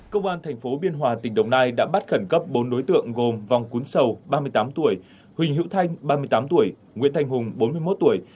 công an thành phố biên hòa tỉnh đồng nai đã bắt khẩn cấp bốn đối tượng gồm vong cuốn sầu ba mươi tám tuổi huỳnh hữu thanh ba mươi tám tuổi nguyễn thanh hùng bốn mươi một tuổi